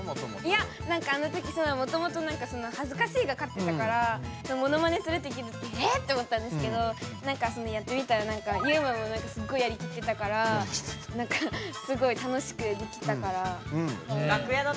いやなんかあのときもともとはずかしいが勝ってたからモノマネするって聞いたとき「え⁉」って思ったんですけどやってみたらユウマもすごいやりきってたからすごい楽しくできたから。